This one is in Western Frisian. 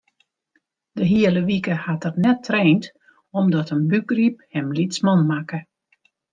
De hiele wike hat er net traind omdat in bûkgryp him lytsman makke.